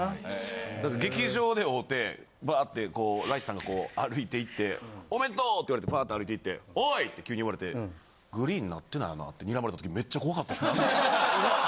だって劇場で会うてバーッてこうライスさんが歩いて行っておめでとうって言われてバーッて歩いて行っておい！って急に言われて。って睨まれた時めっちゃ怖かったっすね。